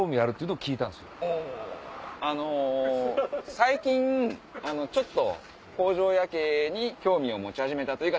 最近ちょっと工場夜景に興味を持ち始めたというか。